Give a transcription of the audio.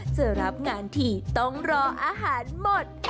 จะรับงานทีต้องรออาหารหมด